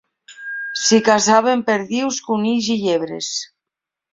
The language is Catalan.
S'hi caçaven perdius, conills i llebres.